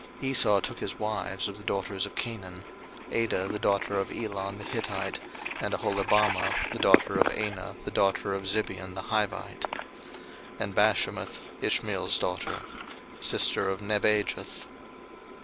01:036:002 Esau took his wives of the daughters of Canaan; Adah the daughter of Elon the Hittite, and Aholibamah the daughter of Anah the daughter of Zibeon the Hivite; 01:036:003 And Bashemath Ishmael's daughter, sister of Nebajoth.